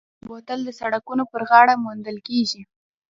بوتل د سړکونو پر غاړه موندل کېږي.